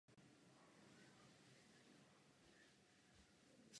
Kromě toho získal jedno další ocenění a na dvě byl nominován.